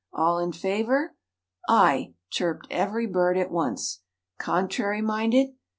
All in favor " "Ay," chirruped every bird at once. "Contrary minded?"